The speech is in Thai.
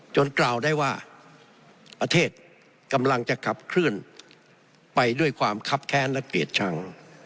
กล่าวได้ว่าประเทศกำลังจะขับเคลื่อนไปด้วยความคับแค้นและเกลียดชัง